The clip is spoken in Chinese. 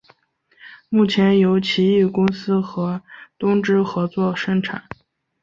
目前由奇异公司和东芝合作生产。